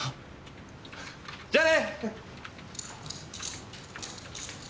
じゃあね！